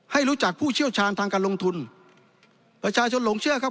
ให้รู้จักผู้เชี่ยวชาญทางการลงทุนประชาชนหลงเชื่อครับ